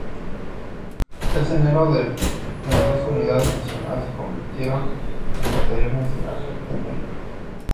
En enero las dos unidades mencionadas se convirtieron en batallones de la gendarmería.